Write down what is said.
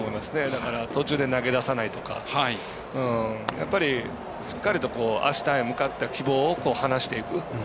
だから、途中で投げ出さないとかやっぱり、しっかりとあしたへ向かった希望を話していく。